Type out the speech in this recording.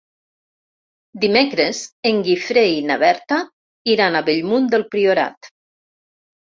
Dimecres en Guifré i na Berta iran a Bellmunt del Priorat.